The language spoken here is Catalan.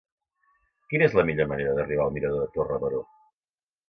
Quina és la millor manera d'arribar al mirador de Torre Baró?